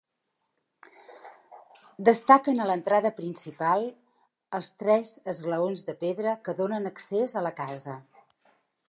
Destaquen a l’entrada principal, els tres esglaons de pedra que donen accés a la casa.